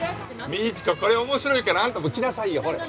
未知子これ面白いからあんたも来なさいよほれ。